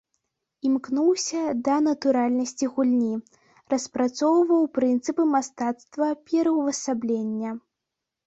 Імкнуўся да натуральнасці гульні, распрацоўваў прынцыпы мастацтва пераўвасаблення.